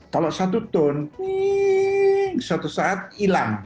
kalau satu tone satu saat hilang